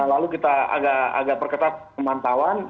lalu kita agak perketat pemantauan